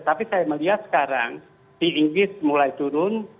tapi saya melihat sekarang di inggris mulai turun